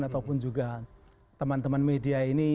ataupun juga teman teman media ini